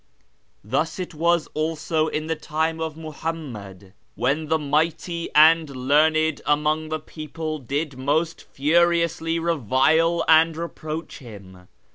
Thus it was also in the time of Muhammad, when the mighty and learned among his people did most furiously revile and reproach him.